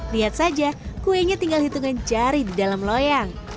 lihat saja kuenya tinggal hitungan jari di dalam loyang